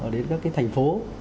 đến các thành phố